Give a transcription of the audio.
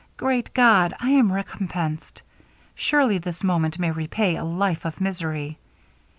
'Great God, I am recompensed! Surely this moment may repay a life of misery!'